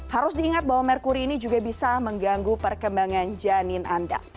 harus diingat bahwa merkuri ini juga bisa mengganggu perkembangan janin anda